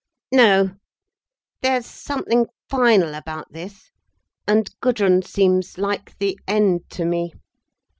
"No. There's something final about this. And Gudrun seems like the end, to me.